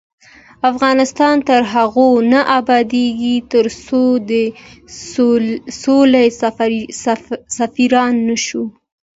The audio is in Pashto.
افغانستان تر هغو نه ابادیږي، ترڅو د سولې سفیران نشو.